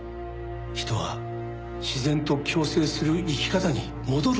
人は自然と共生する生き方に戻るべきです。